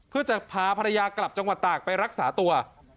เพื่อจะพาภรรยากลับจังหวัดตากไปรักษาตัว